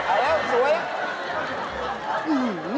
อันแล้วสวย